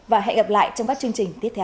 và hẹn gặp lại trong các chương trình tiếp theo